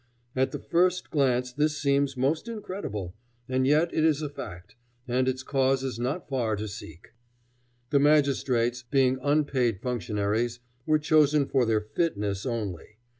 At the first glance this seems almost incredible, and yet it is a fact, and its cause is not far to seek. The magistrates, being unpaid functionaries, were chosen for their fitness only.